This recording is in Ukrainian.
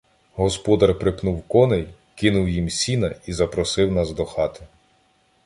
Господар припнув коней, кинув їм сіна і запросив нас до хати.